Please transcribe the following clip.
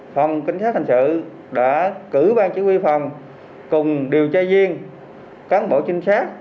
phòng kinh sát thành sự đã cử ban chỉ huy phòng cùng điều tra viên cán bộ chính sát